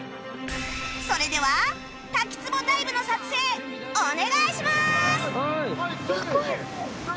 それでは滝つぼダイブの撮影お願いします！